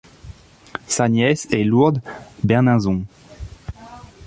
Sa nièce est Lourdes Berninzon.